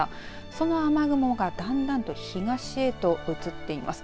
その雨雲が、だんだんと東へと移っています。